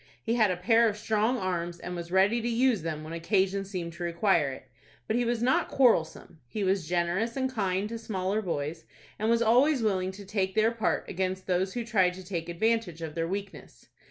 He had a pair of strong arms, and was ready to use them when occasion seemed to require it. But he was not quarrelsome. He was generous and kind to smaller boys, and was always willing to take their part against those who tried to take advantage of their weakness.